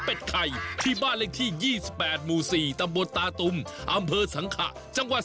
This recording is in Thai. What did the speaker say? เป็นไข่ที่บ้านเลขที่๒๘หมู่๔ตำบลตาตุมอำเภอสังขะจังหวัด